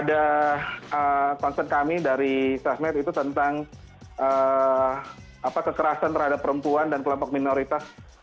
dan yang terakhir ada konsen kami dari sasmat itu tentang kekerasan terhadap perempuan dan kelompok minoritas